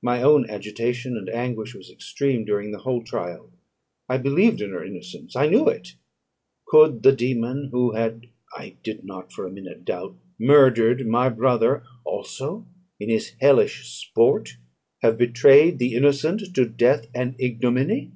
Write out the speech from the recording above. My own agitation and anguish was extreme during the whole trial. I believed in her innocence; I knew it. Could the dæmon, who had (I did not for a minute doubt) murdered my brother, also in his hellish sport have betrayed the innocent to death and ignominy?